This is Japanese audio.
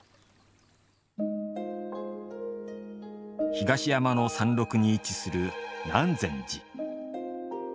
東山の山麓に位置する南禅寺。